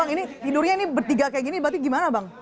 bang ini tidurnya ini bertiga kayak gini berarti gimana bang